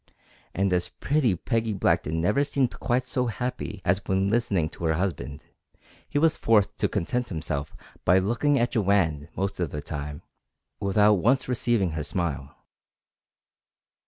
And as pretty Peggy Blackton never seemed quite so happy as when listening to her husband, he was forced to content himself by looking at Joanne most of the time, without once receiving her smile.